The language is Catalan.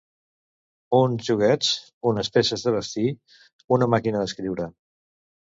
Uns joguets, unes peces de vestir... una màquina d'escriure.